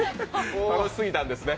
楽しすぎたんですね。